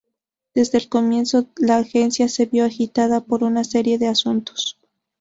Desde el comienzo la agencia se vio agitada por una serie de asuntos.